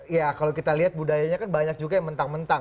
ya kalau kita lihat budayanya kan banyak juga yang mentang mentang